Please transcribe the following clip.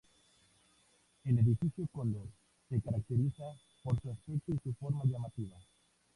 El Edificio Cóndor se caracteriza por su aspecto y su forma llamativa.